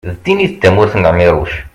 d tin-a i d tamurt n ԑmiruc